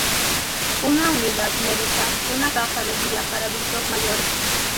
Una unidad medica, una casa de día para adultos mayores.